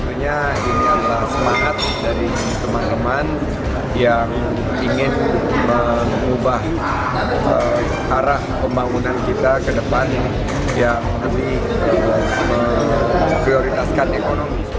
tentunya ini adalah semangat dari teman teman yang ingin mengubah arah pembangunan kita ke depan yang lebih memprioritaskan ekonomi